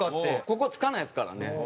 ここつかないですからね。